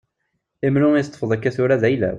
Imru i teṭṭfeḍ akka tura d ayla-w.